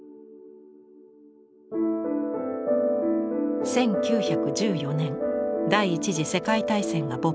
１９１４年第一次世界大戦が勃発。